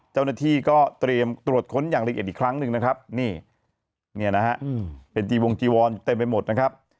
เจ้าหน้าที่ก็เตรียมตรวจค้นอย่างละเอียดอีกครั้งนึงนะครับเป็นระยะเจียววงจีวรเต็มไปหมดนะครับ